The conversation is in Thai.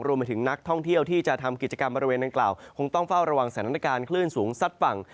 มาถึงนักท่องเที่ยวที่จะทำกิจกรรมบริเวณดังกล่าวคงต้องเฝ้าระวังสถานการณ์คลื่นสูงซัดฝั่ง